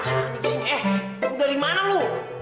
eh siapa lu disini eh lu dari mana lu